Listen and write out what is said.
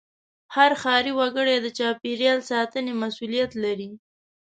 هر ښاري وګړی د چاپېریال ساتنې مسوولیت لري.